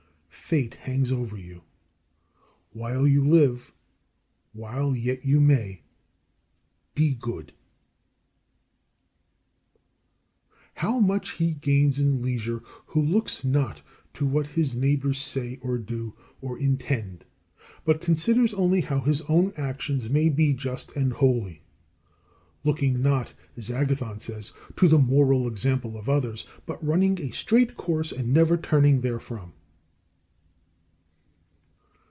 Fate hangs over you. While you live, while yet you may, be good. 18. How much he gains in leisure who looks not to what his neighbours say, or do, or intend; but considers only how his own actions may be just and holy, looking not, as Agathon says, to the moral example of others, but running a straight course and never turning therefrom.